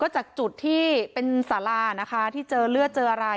จากจุดที่เป็นสาลาเชื้อเลือดเจออะไร